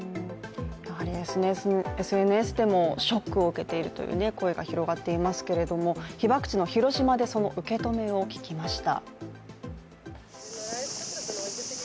やはりＳＮＳでも、ショックを受けているという声が広がっていますけど被爆地の広島でその受け止めを聞きました。